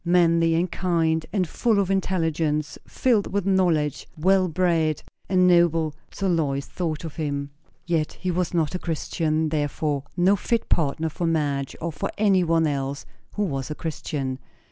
Manly and kind, and full of intelligence, filled with knowledge, well bred, and noble; so Lois thought of him. Yet he was not a Christian, therefore no fit partner for Madge or for any one else who was a Christian.